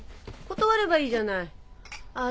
断ればいいじゃないあっ